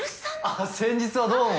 あっ先日はどうも。